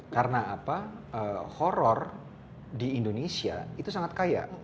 karena apa horror di indonesia itu sangat kaya